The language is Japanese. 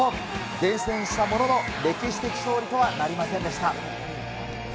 善戦したものの、歴史的勝利とはなりませんでした。